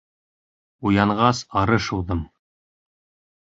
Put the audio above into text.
Уянғас ары шыуҙым.